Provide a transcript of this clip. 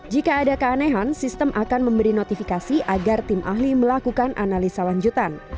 jika ada keanehan sistem akan memberi notifikasi agar tim ahli melakukan analisa lanjutan